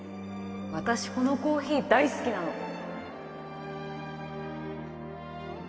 私このコーヒー大好きなの